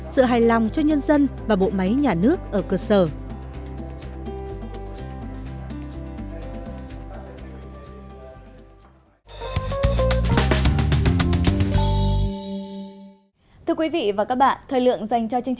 sự hài lòng cho nhân dân và bộ máy nhà nước ở cơ sở